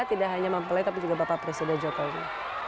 tidak hanya mempelai tapi juga bapak presiden jokowi